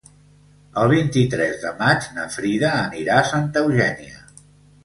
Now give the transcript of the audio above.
El vint-i-tres de maig na Frida anirà a Santa Eugènia.